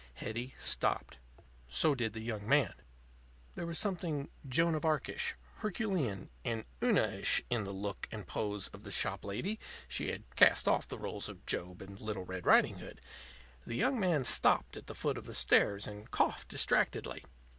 Hetty stopped. So did the young man. There was something Joan of Arc ish, Herculean, and Una ish in the look and pose of the shop lady she had cast off the r├┤les of Job and Little Red Riding Hood. The young man stopped at the foot of the stairs and coughed distractedly.